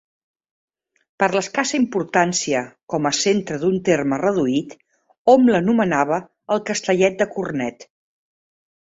Per l'escassa importància, com a centre d'un terme reduït, hom l'anomenava el Castellet de Cornet.